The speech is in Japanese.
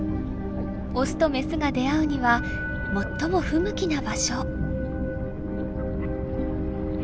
オスとメスが出会うには最も不向きな場所。